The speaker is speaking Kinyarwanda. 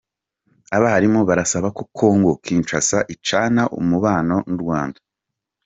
Abarimu barasaba ko Congo Kinshasa icana umubano n’u Rwanda